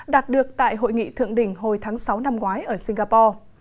đạt được tại hội nghị thượng đỉnh hồi tháng sáu năm ngoái ở singapore